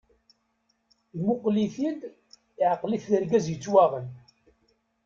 Imuqel-it-id iɛqel-it d argaz yettwaɣen.